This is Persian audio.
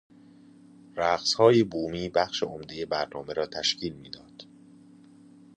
رقصهای بومی بخش عمده برنامه را تشکیل میداد.